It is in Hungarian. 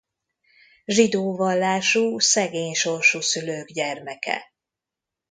Zsidó vallású szegény sorsú szülők gyermeke.